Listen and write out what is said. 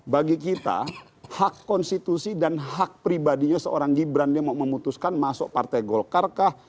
bagi kita hak konstitusi dan hak pribadinya seorang gibran dia mau memutuskan masuk partai golkar kah